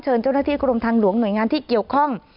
เจ้าหน้าที่กรมทางหลวงหน่วยงานที่เกี่ยวข้อง